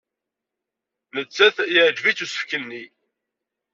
Nettat yeɛjeb-itt usefk-nni.